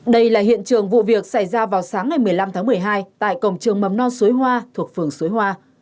đây là hiện trường vụ việc xảy ra vào sáng ngày một mươi năm tháng một mươi hai tại cổng trường mầm non suối hoa thuộc phường suối hoa